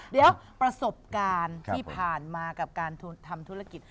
เดี๋ยวประสบการณ์ที่ผ่านมากับการทำธุรกิจ